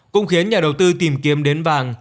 cũng khiến nhà đầu tư tìm kiếm đến vàng